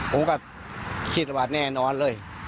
ผมก็คิดว่าแน่นอนเลย